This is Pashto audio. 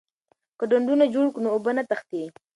که ډنډونه جوړ کړو نو اوبه نه تښتي.